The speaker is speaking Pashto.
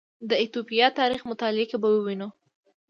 د ایتوپیا تاریخ مطالعه کې به ووینو